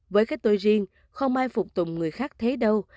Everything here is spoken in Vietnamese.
với cái tôi riêng không ai phục tùng người khác thế đâu